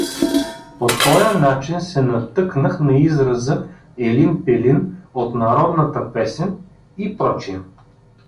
По тоя начин се натъкнах на израза „Елин пелин“ от народната песен: и пр.